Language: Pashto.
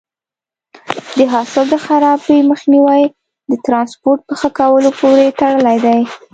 د حاصل د خرابي مخنیوی د ټرانسپورټ په ښه کولو پورې تړلی دی.